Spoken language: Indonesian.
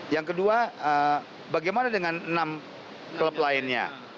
yang kedua bagaimana dengan enam klub lainnya